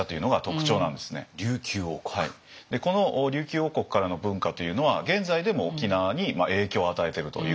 でこの琉球王国からの文化というのは現在でも沖縄に影響を与えているということなんですよ。